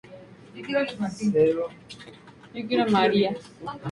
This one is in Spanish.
Estos modelos corresponden a las llamadas Dinámicas poblacionales.